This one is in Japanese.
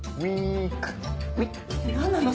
何なの？